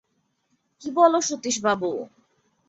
কী বল সতীশবাবু!